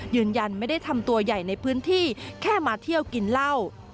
ยืนยันไม่ได้ทำตัวใหญ่ในพื้นที่แค่มาเที่ยวกินเหล้า